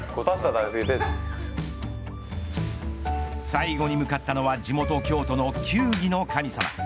最後に向かったのは地元京都の球技の神様。